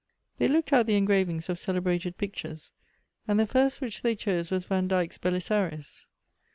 They looked out the engravings of celebrated pictures, and the first which they chose was Van Dyk's Belisarius.